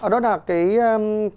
đó là cái việc